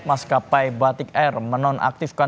mas k p batik r menonaktifkan